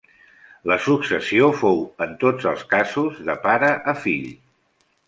La successió fou en tots els casos de pare a fill.